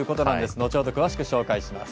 後ほど詳しくご紹介します。